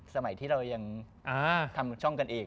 สมัยที่เรายังทำช่องกันเอง